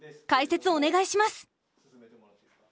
解説お願いします！